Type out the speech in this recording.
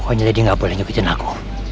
pokoknya lady gak boleh nyugitin aku